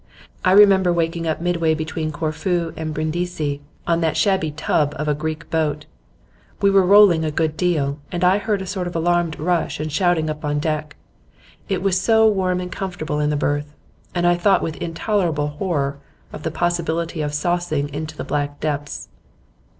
I remember waking up midway between Corfu and Brindisi, on that shaky tub of a Greek boat; we were rolling a good deal, and I heard a sort of alarmed rush and shouting up on deck. It was so warm and comfortable in the berth, and I thought with intolerable horror of the possibility of sousing into the black depths.